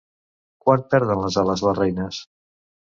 Quan perden les ales les reines?